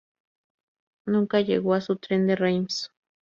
Nunca llegó a su tren de Reims.